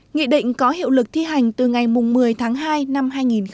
nghị định có hiệu lực thi hành từ ngày một mươi tháng hai năm hai nghìn một mươi chín